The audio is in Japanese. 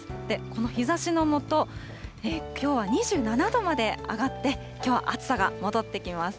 この日ざしの下、きょうは２７度まで上がって、きょうは暑さが戻ってきます。